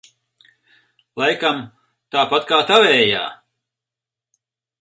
Laikam tāpat kā tavējā?